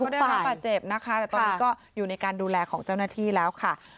ได้รับบาดเจ็บนะคะแต่ตอนนี้ก็อยู่ในการดูแลของเจ้าหน้าที่แล้วค่ะ